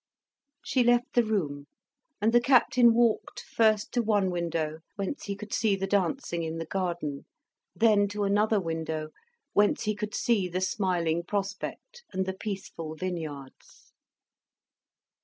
She left the room; and the Captain walked, first to one window, whence he could see the dancing in the garden, then to another window, whence he could see the smiling prospect and the peaceful vineyards.